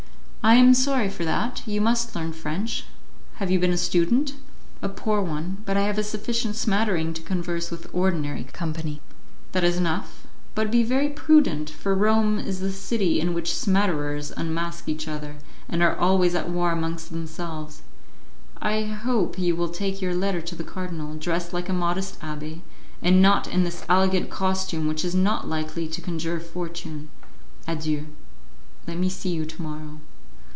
"I am sorry for that; you must learn French. Have you been a student?" "A poor one, but I have a sufficient smattering to converse with ordinary company." "That is enough; but be very prudent, for Rome is the city in which smatterers unmask each other, and are always at war amongst themselves. I hope you will take your letter to the cardinal, dressed like a modest abbé, and not in this elegant costume which is not likely to conjure fortune. Adieu, let me see you to morrow."